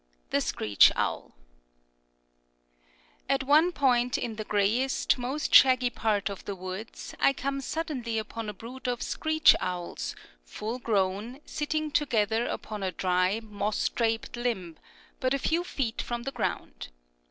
THE SCREECH OWL At one point in the grayest, most shaggy part of the woods, I come suddenly upon a brood of screech owls, full grown, sitting together upon a dry, moss draped limb, but a few feet from the ground.